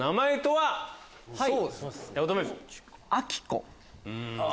はい。